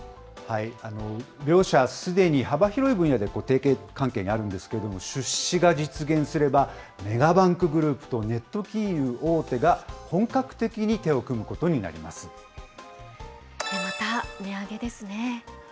両社、すでに幅広い分野で提携関係にあるんですけれども、出資が実現すれば、メガバンクグループとネット金融大手が本格的に手を組むこまた値上げですね。